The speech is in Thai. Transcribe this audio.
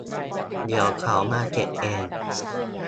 เดี๋ยวเขามาเก็บเอง